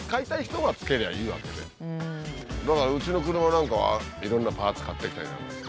だからうちの車なんかはいろんなパーツ買ってきたりなんか。